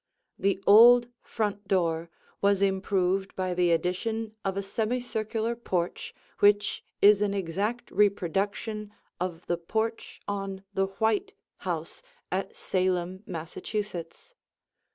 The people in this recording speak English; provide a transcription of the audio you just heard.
The old front door was improved by the addition of a semicircular porch which is an exact reproduction of the porch on the White house at Salem, Massachusetts.